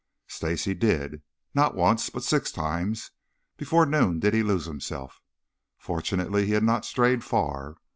Stacy did. Not once, but six times before noon did he lose himself. Fortunately he had not strayed far.